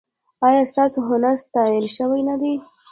ایا ستاسو هنر ستایل شوی نه دی؟